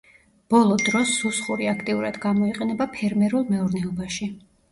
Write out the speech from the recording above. ბოლო დროს სუსხური აქტიურად გამოიყენება ფერმერულ მეურნეობაში.